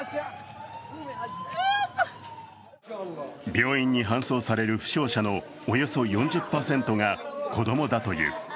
病院に搬送される負傷者のおよそ４０％が子供だという。